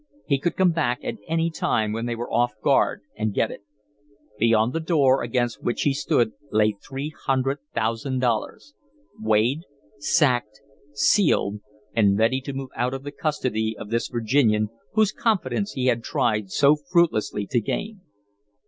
He could come back at any time when they were off guard and get it. Beyond the door against which he stood lay three hundred thousand dollars weighed, sacked, sealed, and ready to move out of the custody of this Virginian whose confidence he had tried so fruitlessly to gain.